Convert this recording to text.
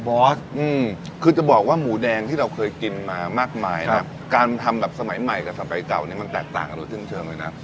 คือจะบอกว่าหมูแดงที่เราเคยกินมามากมายนะการทำแบบสมัยใหม่กับสมัยเก่าเนี่ยมันแตกต่างกันโดยสิ้นเชิงเลยนะ